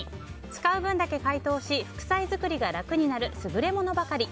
使う分だけ解凍し副菜作りが楽になる優れものばかり。